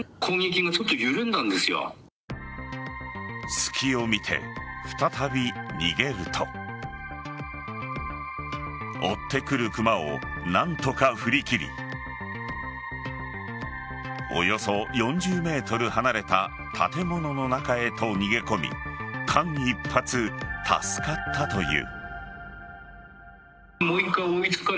隙を見て、再び逃げると追ってくるクマを何とか振り切りおよそ４０ｍ離れた建物の中へと逃げ込み間一髪、助かったという。